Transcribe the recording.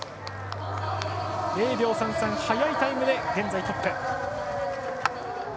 ０秒３３早いタイムで現在、トップ。